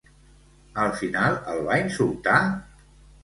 Al final, el va insultar?